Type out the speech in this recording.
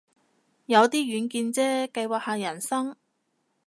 有啲遠見啫，計劃下人生